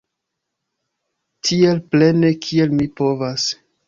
Tiel plene kiel mi povas.